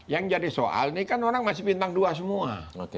yang jadi soal ini kan orang masih bintang dua semua